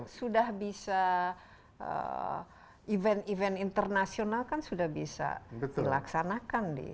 sudah bisa event event internasional kan sudah bisa dilaksanakan di